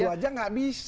itu aja enggak bisa